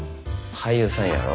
俳優さんやろ？